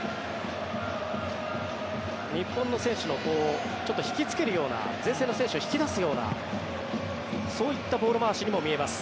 日本の選手を引きつけるような前線の選手を引きつけるようなそういったボール回しにも見えます。